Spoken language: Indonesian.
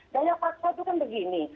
gaya paksa itu kan begini